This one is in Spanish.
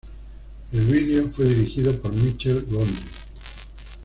El vídeo fue dirigido por Michel Gondry.